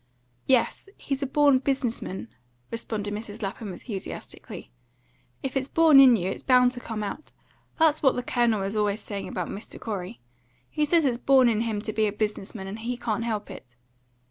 "Yes, he's a born business man," responded Mrs. Lapham enthusiastically. "If it's born in you, it's bound to come out. That's what the Colonel is always saying about Mr. Corey. He says it's born in him to be a business man, and he can't help it."